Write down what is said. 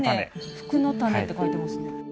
福の種って書いてますね。